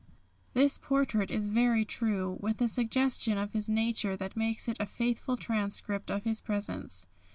This portrait is very true, with a suggestion of his nature that makes it a faithful transcript of his presence.